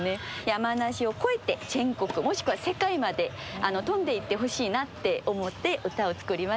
山梨を超えて全国もしくは世界まで飛んでいってほしいなって思って歌を作りました。